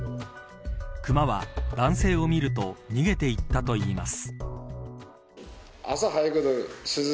熊は男性を見ると逃げていったといいます。